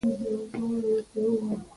رښتيني و اوسئ!